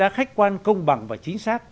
đánh giá khách quan công bằng và chính xác